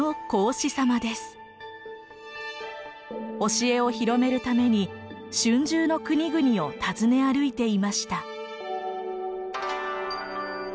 教えを広めるために春秋の国々を訪ね歩いていました。